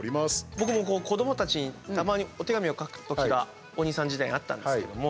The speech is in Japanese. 僕も子どもたちにたまにお手紙を書くことがお兄さん時代あったんですけども。